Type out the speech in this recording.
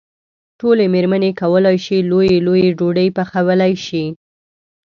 ټولې مېرمنې کولای شي لويې لويې ډوډۍ پخولی شي.